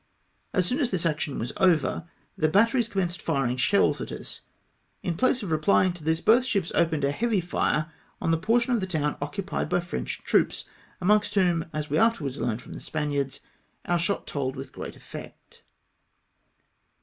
As soon as this action was over, the batteries commenced firing shells at us. In place of replying to this, both ships opened a heavy lire on the portion of the town oc cupied by French troops, amongst whom, as we after wards learned from the Spaniards, our shot told with great effect.